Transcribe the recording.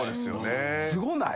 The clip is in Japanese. すごない？